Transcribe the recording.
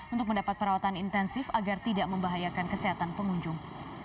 untuk mendapat perawatan intensif agar tidak membahayakan kesehatan pengunjung